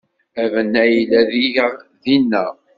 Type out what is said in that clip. Abennay yella diɣ dinna.